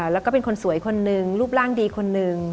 แล้วก็เป็นคนสวยคนนึงรูปร่างดีคนหนึ่ง